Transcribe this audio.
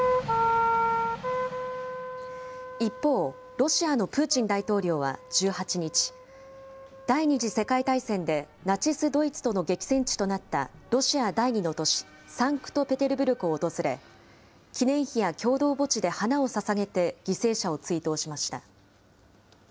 一方、ロシアのプーチン大統領は１８日、第２次世界大戦でナチス・ドイツとの激戦地となった、ロシア第２の都市サンクトペテルブルクを訪れ、記念碑や共同墓地で花をささげて犠牲者を追悼しました。